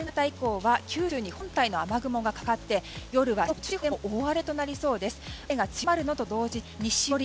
そして夕方以降は九州に本体の雨雲がかかって夜は四国・中国地方でも大荒れとなりそうです。